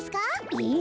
えっ？